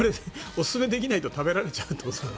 おすすめできないって食べられちゃうってこと？